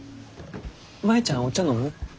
舞ちゃんお茶飲む？